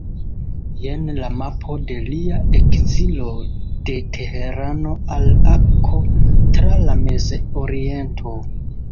Jen la mapo de Lia ekzilo de Tehrano al Akko tra la Mez-Oriento.